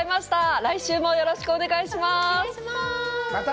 来週もよろしくお願いします。